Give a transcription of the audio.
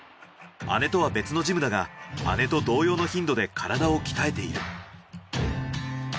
姉とは別のジムだが姉と同様の頻度で体を鍛えている。